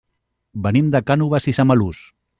Venim de Cànoves i Samalús.